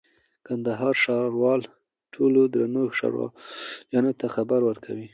کندهار ښاروالي ټولو درنو ښاريانو ته خبر ورکوي: